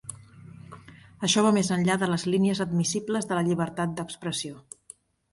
Això va més enllà de les línies admissibles de la llibertat d’expressió.